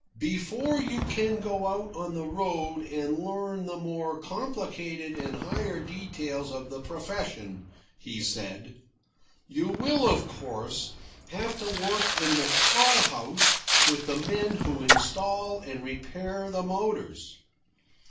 "Before you can go out on the road and learn the more complicated and higher details of the profession," he said, "you will, of course, have to work in the car house with the men who install and repair the motors.